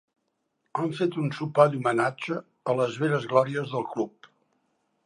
Han fet un sopar d'homenatge a les velles glòries del club.